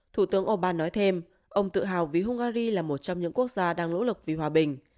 thủ tướng orbán nói thêm ông tự hào vì hungary là một trong những quốc gia đang nỗ lực vì hòa bình